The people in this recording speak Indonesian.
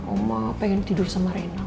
oma pengen tidur sama rena